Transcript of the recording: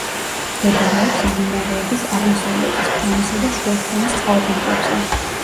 მდებარეობს მდინარეების აღმოსავლეთის ფრონის და შუა ფრონის წყალგამყოფზე.